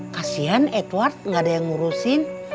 kasian edward nggak ada yang ngurusin